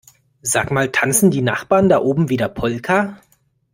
Sag mal tanzen die Nachbarn da oben wieder Polka?